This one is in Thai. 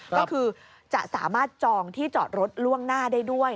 ก็คือจะสามารถจองที่จอดรถล่วงหน้าได้ด้วย